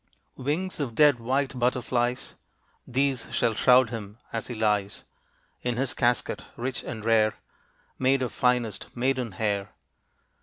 Wings of dead white butterflies, These shall shroud him, as he lies In his casket rich and rare, Made of finest maiden hair.